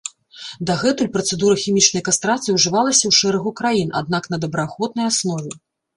Дагэтуль працэдура хімічнай кастрацыі ўжывалася ў шэрагу краін, аднак на добраахвотнай аснове.